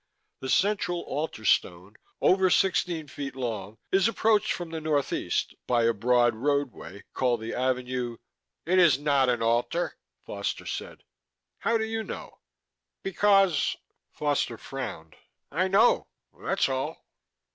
The central altar stone, over 16' long, is approached from the northeast by a broad roadway called the Avenue_ "It is not an altar," said Foster. "How do you know?" "Because " Foster frowned. "I know, that's all."